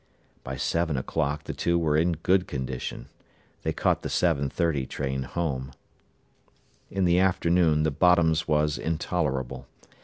By seven o'clock the two were in good condition. They caught the 7.30 train home. In the afternoon the Bottoms was intolerable.